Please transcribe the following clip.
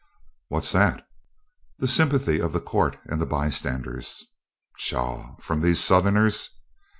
"What's that?" "The sympathy of the court and the bystanders." "Pshaw! From these Southerners?"